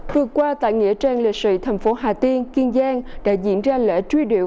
vừa qua tại nghĩa trang lịch sử thành phố hà tiên kiên giang đã diễn ra lễ truy điệu